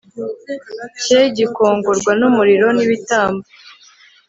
cye gikongorwa n umuriro n ibitambo